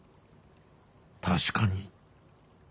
確かに。